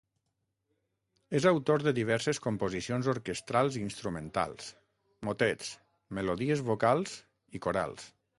És autor de diverses composicions orquestrals i instrumentals, motets, melodies vocals i corals.